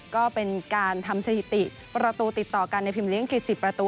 ก็เป็นการทำสถิติประตูติดต่อกันในพิมเลี้ยคือ๑๐ประตู